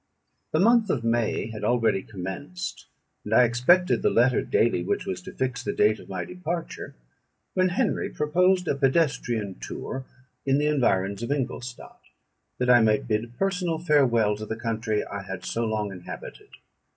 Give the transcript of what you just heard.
The month of May had already commenced, and I expected the letter daily which was to fix the date of my departure, when Henry proposed a pedestrian tour in the environs of Ingolstadt, that I might bid a personal farewell to the country I had so long inhabited.